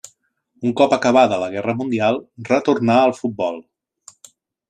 Un cop acabada la guerra mundial retornà al futbol.